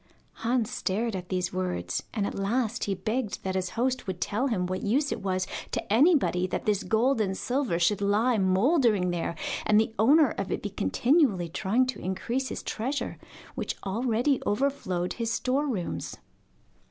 Hans stared at these words, and at last he begged that his host would tell him what use it was to anybody that this gold and silver should lie mouldering there, and the owner of it be continually trying to increase his treasure, which already overflowed his store rooms.